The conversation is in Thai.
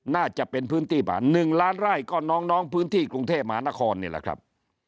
น่าจะเป็นพื้นที่ผ่าน๑ล้านไร่ก็น้องพื้นที่กรุงเทพมหานครนี่แหละครับ